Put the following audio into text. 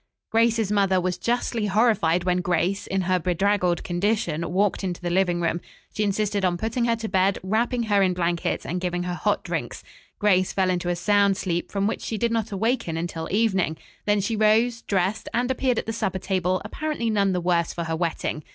'" Grace's mother was justly horrified when Grace, in her bedraggled condition, walked into the living room. She insisted on putting her to bed, wrapping her in blankets and giving her hot drinks. Grace fell into a sound sleep from which she did not awaken until evening. Then she rose, dressed and appeared at the supper table apparently none the worse for her wetting.